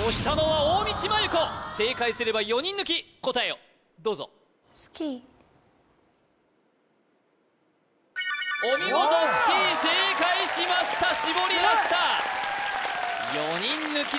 押したのは大道麻優子正解すれば４人抜き答えをどうぞお見事ｓｋｉ正解しましたしぼり出したすごい４人抜きだ